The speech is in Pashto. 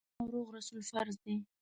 سم او روغ رسول فرض دي.